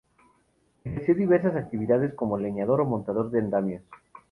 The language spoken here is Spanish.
Ejerció diversas actividades, como leñador o montador de andamios.